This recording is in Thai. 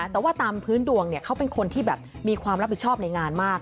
แต่ว่าตามพื้นดวงเขาเป็นคนที่แบบมีความรับผิดชอบในงานมาก